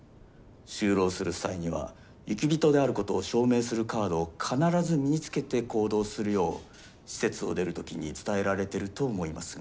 就労する際には雪人であることを証明するカードを必ず身につけて行動するよう施設を出る時に伝えられてると思いますが。